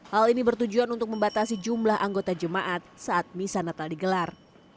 hal ini bertujuan untuk membatasi jumlah anggota jemaat saat misa natal digelar